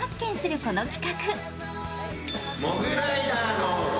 この企画。